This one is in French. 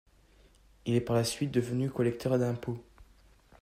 Il est par la suite devenu collecteur d'impôts.